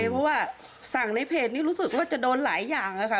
เพราะว่าสั่งในเพจนี้รู้สึกว่าจะโดนหลายอย่างค่ะ